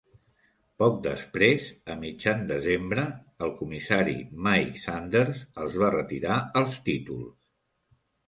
Poc després, a mitjan desembre, el comissari Mike Sanders els va retirar els títols.